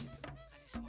cepi gak percaya